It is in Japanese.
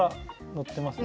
のってますね。